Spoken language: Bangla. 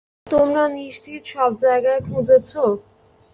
তোমরা নিশ্চিত সব জায়গায় খুঁজেছ?